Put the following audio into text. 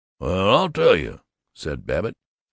"Well, I'll tell you," said Babbitt.